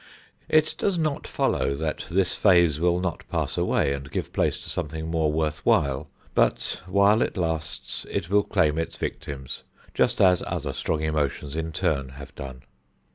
It does not follow that this phase will not pass away and give place to something more worth while, but while it lasts it will claim its victims, just as other strong emotions in turn have done.